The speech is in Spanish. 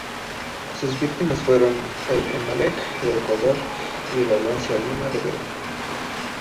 Sus víctimas fueron: el Emelec de Ecuador y el Alianza Lima del Perú.